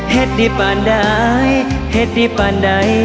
เฮ็ดที่ป่านได้เฮ็ดที่ป่านได้